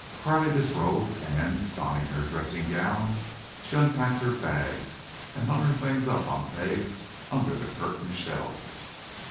Carley disrobed and, donning her dressing gown, she unpacked her bags and hung her things upon pegs under the curtained shelves.